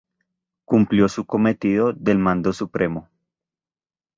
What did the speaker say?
Cumplió su cometido del Mando Supremo.